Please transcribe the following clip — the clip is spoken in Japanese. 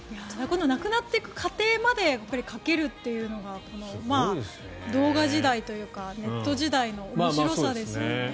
なくなっていく過程まで描けるっていうのが動画時代というかネット時代の面白さですよね。